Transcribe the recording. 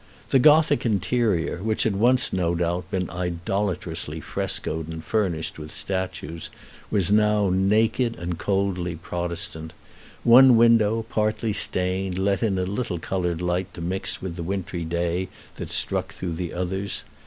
The Gothic interior, which had once, no doubt, been idolatrously frescoed and furnished with statues, was now naked and coldly Protestant; one window, partly stained, let in a little colored light to mix with the wintry day that struck through the others.